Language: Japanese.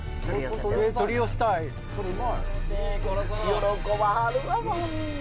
喜ばはるわあそんな。